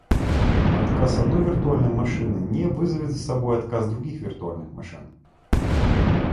Отказ одной виртуальной машины не вызовет за собой отказ других виртуальных машин